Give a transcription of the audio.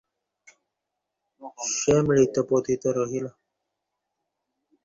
সে মৃত পতিত রহিল।